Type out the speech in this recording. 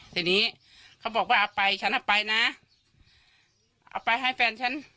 ทีนี้เขาบอกว่าเอาไปฉันเอาไปนะเอาไปให้แฟนฉัน